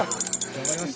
頑張りました。